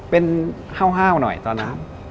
เป็นห้าวหน่อยตอนนั้น